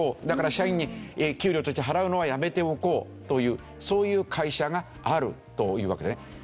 だから社員に給料として払うのはやめておこうというそういう会社があるというわけですね。